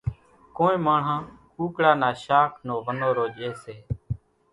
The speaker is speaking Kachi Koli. ڪونئين ماڻۿان ڪُوڪڙا نا شاک نو ونورو ڄيَ سي۔